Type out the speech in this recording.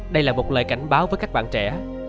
đây là một lời cảnh báo với các bạn trẻ